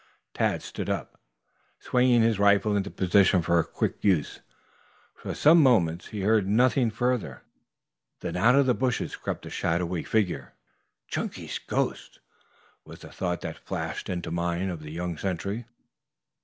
Tad stood up, swinging his rifle into position for quick use. For some moments he heard nothing further, then out of the bushes crept a shadowy figure. "Chunky's ghost," was the thought that flashed into the mind of the young sentry.